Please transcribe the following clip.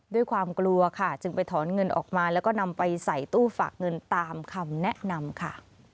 ด้วยความกลัวค่ะจึงไปถอนเงินออกมาแล้วก็นำไปใส่ตู้ฝากเงินตามคำแนะนำค่ะ